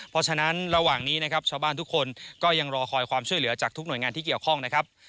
เพราะฉะนั้นระหว่างนี้นะครับชาวบ้านทุกคนก็ยังรอคอยความช่วยเหลือจากทุกหน่วยงานที่เกี่ยวข้องนะครับ